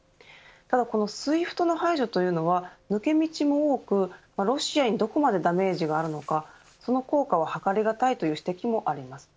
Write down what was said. ただこのＳＷＩＦＴの排除というのは抜け道も多くロシアにどこまでダメージがあるのかその効果は計りがたいという指摘もあります。